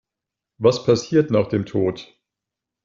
Was passiert nach dem Tod?